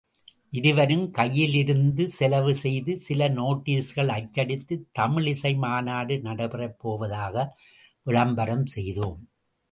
இருவரும் கையிலிருந்து செலவு செய்து சில நோட்டீஸ்கள் அச்சடித்து தமிழிசை மாநாடு நடைபெறப் போவதாக விளம்பரம் செய்தோம்.